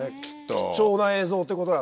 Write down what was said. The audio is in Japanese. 貴重な映像ってことなんで。